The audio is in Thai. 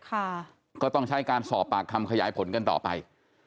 ก็ต้องใช้การสอบปากคำขยายผลกันต่อไป